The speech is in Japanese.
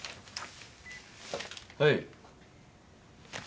はい。